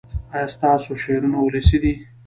ایا ستاسو شعرونه ولسي دي؟